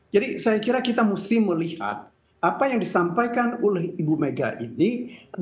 jadi saya kira kita mesti melihat apa yang disampaikan oleh ibu megawati soekarno putri